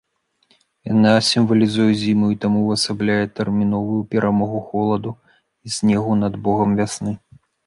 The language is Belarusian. Яна сімвалізуе зіму і таму увасабляе тэрміновую перамогу холаду і снегу над богам вясны.